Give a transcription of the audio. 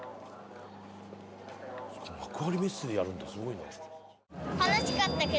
幕張メッセでやるんだすごいね。